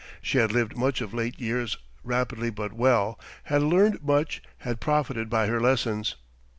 She had lived much of late years, rapidly but well, had learned much, had profited by her lessons.